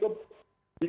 program kepada petani